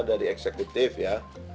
di eksekutif ya